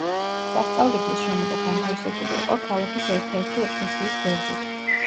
სასწავლებლის შენობა განთავსებული იყო ქალაქის ერთ-ერთი ეკლესიის გვერდით.